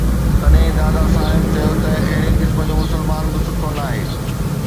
تڏهن دادا صاحب چيو ته اهڙي قسم جو مسلمان به سٺو ناهي